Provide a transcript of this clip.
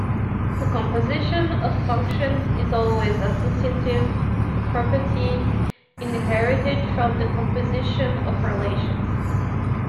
The composition of functions is always associative-a property inherited from the composition of relations.